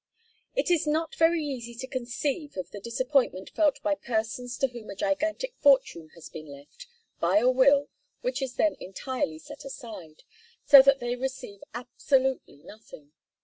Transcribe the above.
It is not very easy to conceive of the disappointment felt by persons to whom a gigantic fortune has been left by a will which is then entirely set aside, so that they receive absolutely nothing.